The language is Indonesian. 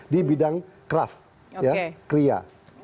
di bidang kraft kria